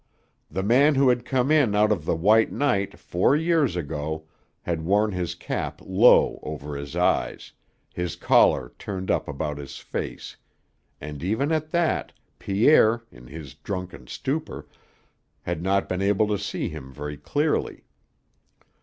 The man who had come in out of the white night, four years ago, had worn his cap low over his eyes, his collar turned up about his face, and, even at that, Pierre, in his drunken stupor, had not been able to see him very clearly.